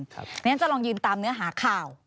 ฉันจะลองยืนตามเนื้อหาข่าว